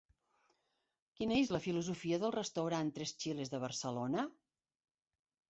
Quina és la filosofia del restaurant Tres Chiles de Barcelona?